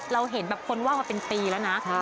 เราเห็นแบบคนว่างมาเป็นปีแล้วนะ